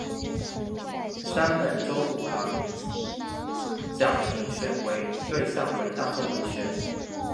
山本周五郎奖评选对象为大众文学。